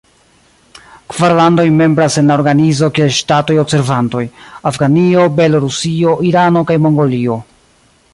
Kvar landoj membras en la organizo kiel ŝtatoj-observantoj: Afganio, Belorusio, Irano kaj Mongolio.